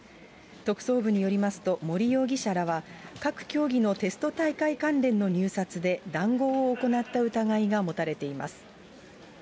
特捜部によりますと、森容疑者らは各競技のテスト大会関連の入札で、談合を行った疑いが持たれています。